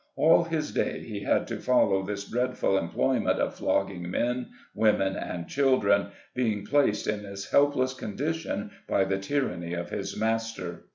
All his days he had to follow this dreadful employment of flogging men, women and children, being placed in this helpless condition by the tyranny of his mas ter.